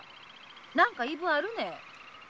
何か言い分あるね？